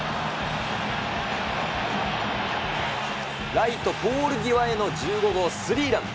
ライトポール際への１５号スリーラン。